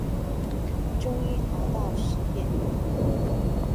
终于熬到十点